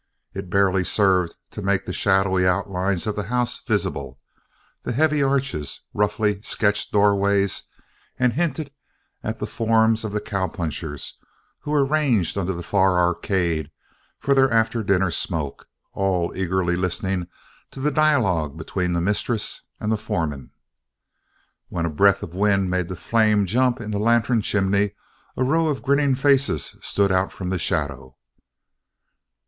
It barely served to make the shadowy outlines of the house visible, the heavy arches, roughly sketched doorways, and hinted at the forms of the cowpunchers who were ranged under the far arcade for their after dinner smoke, all eagerly listening to the dialogue between the mistress and the foreman. When a breath of wind made the flame jump in the lantern chimney a row of grinning faces stood out from the shadow.